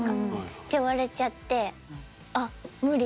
って言われちゃってあっ無理。